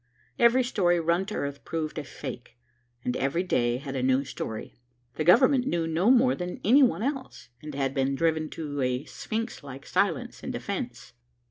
Every story run to earth proved a fake, and every day had a new story. The Government knew no more than any one else, and had been driven to a sphinx like silence in self defence.